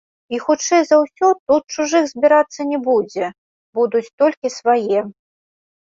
І, хутчэй за ўсё, тут чужых збірацца не будзе, будуць толькі свае.